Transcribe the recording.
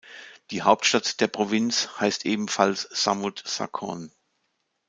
Die Hauptstadt der Provinz heißt ebenfalls Samut Sakhon.